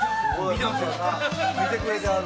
見てくれてはる。